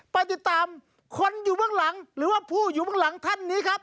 ไปติดตามคนอยู่เบื้องหลังหรือว่าผู้อยู่เบื้องหลังท่านนี้ครับ